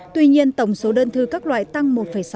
tuy nhiên tổng số đơn thư các loại tăng một sáu